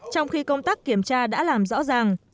trong khi công tác kiểm tra đã làm rõ ràng